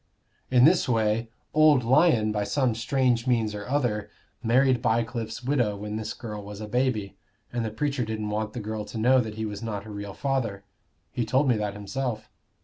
"In this way. Old Lyon, by some strange means or other, married Bycliffe's widow when this girl was a baby. And the preacher didn't want the girl to know that he was not her real father: he told me that himself.